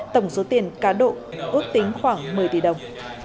tổng số tiền cá độ ước tính khoảng một mươi tỷ đồng